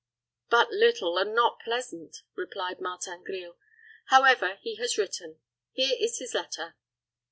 "But little, and not pleasant," replied Martin Grille. "However, he has written. Here is his letter."